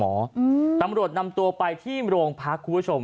อืมตำรวจนำตัวไปที่โรงพักคุณผู้ชม